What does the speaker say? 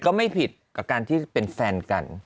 ก็ไม่ผิดกับการที่เป็นแฟนกัน